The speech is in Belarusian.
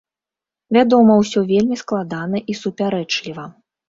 Вядома, усё вельмі складана і супярэчліва.